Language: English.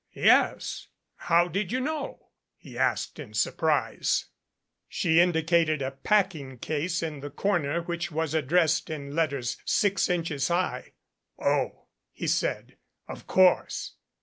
"Yes how did you know ?" he asked in surprise. She indicated a packing case in the corner which was addressed in letters six inches high. "Oh," he said. "Of course."